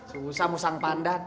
susah musang pandan